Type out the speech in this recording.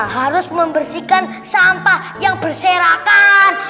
harus membersihkan sampah yang berserakan